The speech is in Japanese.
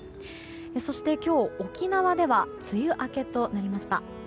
そして今日、沖縄では梅雨明けとなりました。